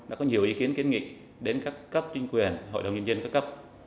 đã có nhiều ý kiến kiến nghị đến các cấp chính quyền hội đồng nhân dân các cấp